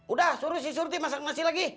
udah suruh si surti masak nasi lagi